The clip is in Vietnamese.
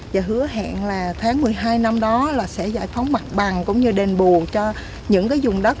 và hứa hẹn là tháng một mươi hai năm đó là sẽ giải phóng mặt bằng cũng như đền bù cho những cái dùng đất